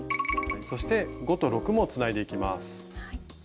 そして５と６もつないでいきます。